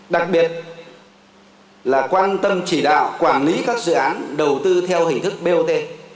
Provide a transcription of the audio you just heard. đặc biệt là quan tâm chỉ đạo quản lý các dự án đầu tư theo hình thức bot